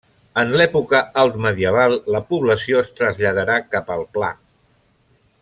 En l'època alt-medieval, la població es traslladarà cap al pla.